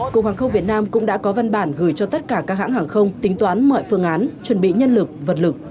cục hàng không việt nam cũng đã có văn bản gửi cho tất cả các hãng hàng không tính toán mọi phương án chuẩn bị nhân lực vật lực